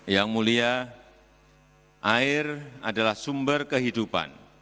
yang mulia air adalah sumber kehidupan